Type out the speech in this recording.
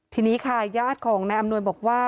ทีนี้ค่ะญาติของนายอำนวยบอกว่า